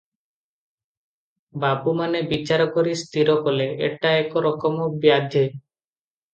ବାବୁମାନେ ବିଚାର କରି ସ୍ଥିର କଲେ, ଏଟା ଏକ ରକମ ବ୍ୟାଧି ।